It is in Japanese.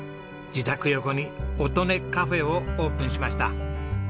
自宅横に音音かふぇをオープンしました。